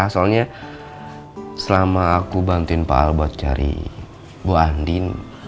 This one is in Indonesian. soalnya selama aku bantuin pak arbot cari bu andin